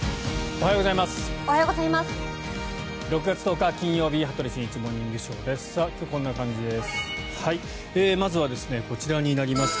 おはようございます。